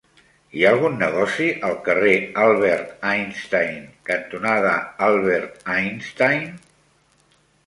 Hi ha algun negoci al carrer Albert Einstein cantonada Albert Einstein?